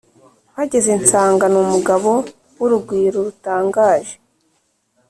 mpageze nsanga ni umugabo w'urugwiro rutangaje.